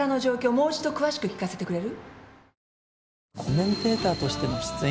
もう一度詳しく聞かせてくれる？